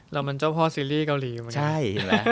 แล้วมันเจ้าพ่อซีรีส์เกาหลี